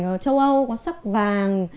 ở châu âu có sắc vàng